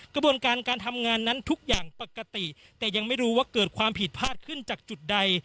กระบวนการการทำงานนั้นทุกอย่างปกติแต่ยังไม่รู้ว่าเกิดความผิดพลาดขึ้นจากจุดใด